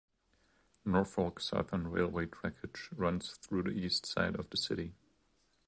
Norfolk Southern Railway trackage runs through the east side of the city.